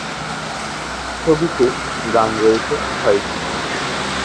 ছবিতে গান রয়েছে ছয়টি।